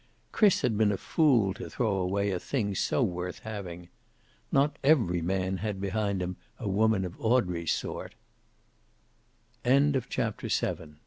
Chris had been a fool to throw away a thing so worth having. Not every man had behind him a woman of Audrey's sort. CHAPTER VIII That afte